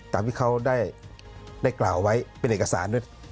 ตามที่เขาได้กล่าวไว้เป็นเอกสารด้วย